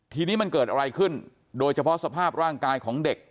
ทีนี้มันเกิดอะไรขึ้นโดยเฉพาะสภาพร่างกายของเด็ก